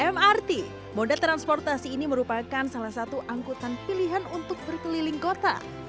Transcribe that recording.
mrt moda transportasi ini merupakan salah satu angkutan pilihan untuk berkeliling kota